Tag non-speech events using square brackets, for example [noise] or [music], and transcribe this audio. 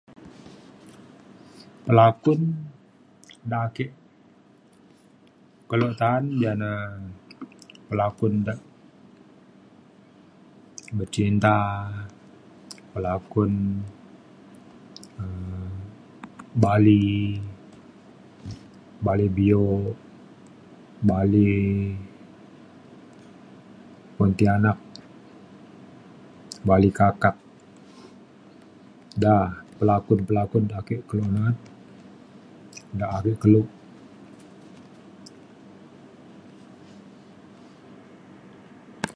pelakun da ake kelo ta'an ja ne um pelakun da becinta pelakun um bali bali bio bali pontianak bali kakap da pelakun pelakun da ake kelo na'at da ake kelo [noise]